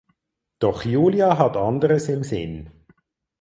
Doch Julia hat anderes im Sinn.